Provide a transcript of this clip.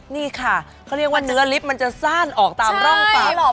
นี่ค่ะเขาเรียกว่าเนื้อลิฟต์มันจะซ่านออกตามร่องปาก